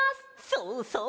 そうそう。